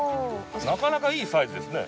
なかなかいいサイズですね。